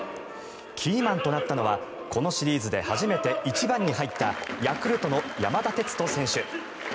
キーマンとなったのはこのシリーズで初めて１番に入ったヤクルトの山田哲人選手。